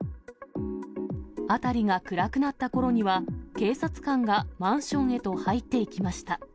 辺りが暗くなったころには、警察官がマンションへと入っていきました。